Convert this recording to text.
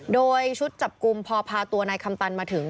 โดยชุดจับกลุ่มพอพาตัวนายคำตันมาถึง